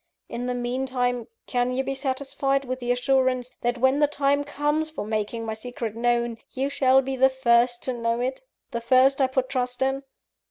In the meantime, can you be satisfied with the assurance, that when the time comes for making my secret known, you shall be the first to know it the first I put trust in?"